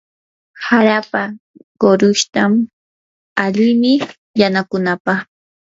harapa qurushtan alimi yanukunapaq.